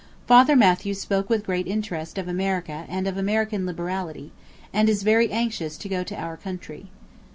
Father Mathew spoke with great interest of America and of American liberality, and is very anxious to go to our country.